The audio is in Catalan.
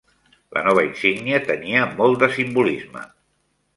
La nova insígnia tenia molt de simbolisme.